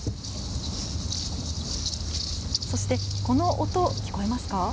そしてこの音、聞こえますか。